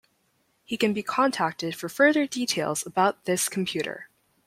He can be contacted for further details about this computer.